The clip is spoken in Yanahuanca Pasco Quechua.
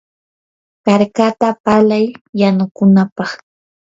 karkata palay yanukunapaq.